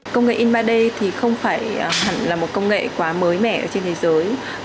công nghệ in ba d thì không phải là một công nghệ quá mới mẻ trên thế giới